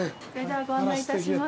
ご案内いたします。